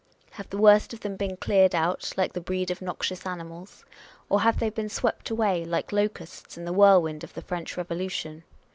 Have the worst of them been cleared out, like the breed of noxious animals? Or have they been swept away, like locusts, in the whirlwind of the French Eevolution